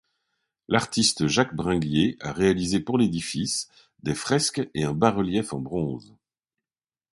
L'artiste Jacques Bringuier a réalisé pour l'édifice des fresques et un bas-relief en bronze.